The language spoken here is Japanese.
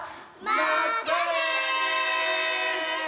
まったね！